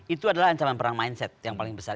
itu adalah ancaman perang mindset yang paling besar